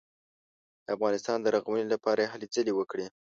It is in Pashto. د افغانستان د رغونې لپاره یې هلې ځلې وکړې.